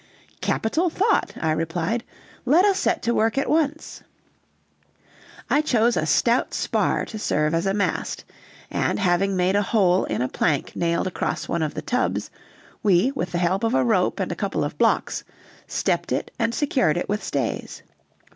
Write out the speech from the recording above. "Capital thought," I replied; "let us set to work at once." I chose a stout spar to serve as a mast, and having made a hole in a plank nailed across one of the tubs, we, with the help of a rope and a couple of blocks, stepped it and secured it with stays.